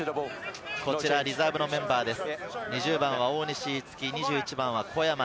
リザーブのメンバーです。